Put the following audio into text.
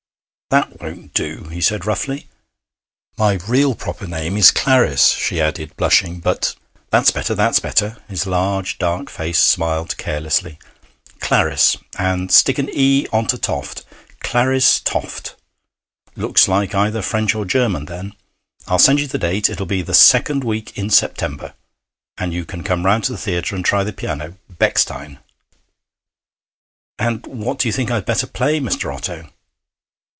'That won't do,' he said roughly. 'My real proper name is Clarice,' she added, blushing. 'But ' 'That's better, that's better.' His large, dark face smiled carelessly. 'Clarice and stick an "e" on to Toft Clarice Tofte. Looks like either French or German then. I'll send you the date. It'll be the second week in September. And you can come round to the theatre and try the piano Bechstein.' 'And what do you think I had better play, Mr. Otto?'